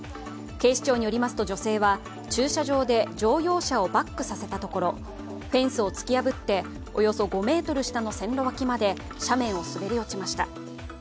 警視庁によりますと、女性は駐車場で乗用車をバックさせたところフェンスを突き破っておよそ５ｍ下の線路脇まで斜面を滑り落ちました。